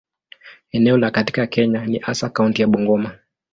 Eneo lao katika Kenya ni hasa kaunti ya Bungoma.